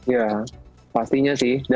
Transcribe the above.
ya pastinya sih